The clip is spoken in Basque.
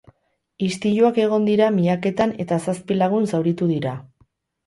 Istiluak egon dira miaketan eta zazpi lagun zauritu dira.